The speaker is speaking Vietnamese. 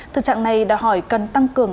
thực trạng này đã hỏi cần tăng cường